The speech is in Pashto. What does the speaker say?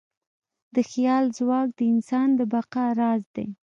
د خیال ځواک د انسان د بقا راز دی.